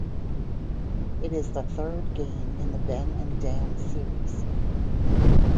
It is the third game in the Ben and Dan Series.